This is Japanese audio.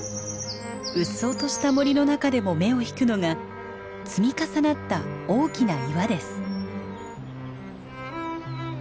うっそうとした森の中でも目を引くのが積み重なった大きな岩です。